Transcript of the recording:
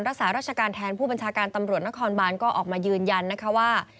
รักษาราชการแทนผู้บัญชาการตำรวจนครบานก็ออกมายืนยันนะคะว่า